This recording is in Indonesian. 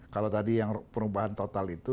kalau tadi yang perubahan total itu